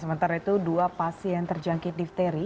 sementara itu dua pasien terjangkit difteri